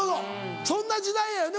そんな時代やよね